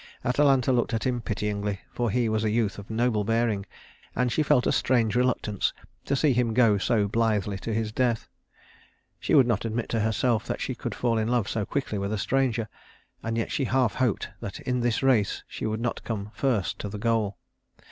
Atalanta looked at him pityingly, for he was a youth of noble bearing, and she felt a strange reluctance to see him go so blithely to his death. She would not admit to herself that she could fall in love so quickly with a stranger; and yet she half hoped that in this race she would not come first to the goal.